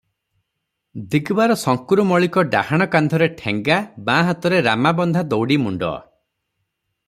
ଦିଗବାର ଶଙ୍କ୍ରୁ ମଳିକ ଡାହାଣ କାନ୍ଧରେ ଠେଙ୍ଗା, ବାଁ ହାତରେ ରାମାବନ୍ଧା ଦଉଡିମୁଣ୍ଡ ।